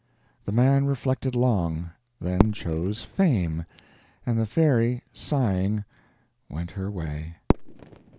The man reflected long, then chose Fame; and the fairy, sighing, went her way.